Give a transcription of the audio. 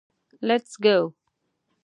لېټس ګو.